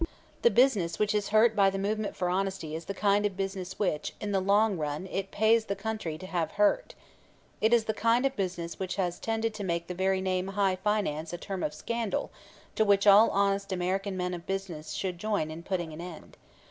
The "business" which is hurt by the movement for honesty is the kind of business which, in the long run, it pays the country to have hurt. It is the kind of business which has tended to make the very name "high finance" a term of scandal to which all honest American men of business should join in putting an end.